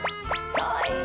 かわいい。